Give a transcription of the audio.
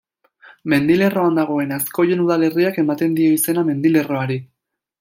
Mendilerroan dagoen Azkoien udalerriak ematen dio izena mendilerroari.